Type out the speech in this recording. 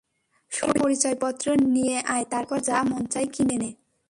সৈনিকের পরিচয়পত্র নিয়ে আয় তারপর যা মন চায় কিনে নে।